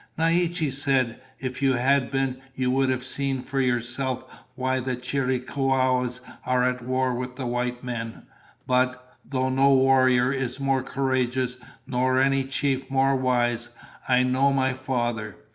Naiche said, "If you had been, you would have seen for yourself why the Chiricahuas are at war with the white men. But, though no warrior is more courageous nor any chief more wise, I know my father.